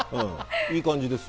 いい感じですよ。